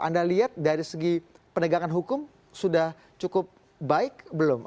anda lihat dari segi penegakan hukum sudah cukup baik belum